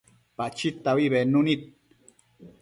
Pachid taui bednu nid